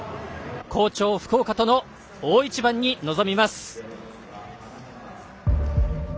好調、福岡との大一番に臨みます。